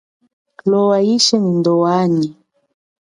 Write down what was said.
Lowa ishi nyi ndowanyi.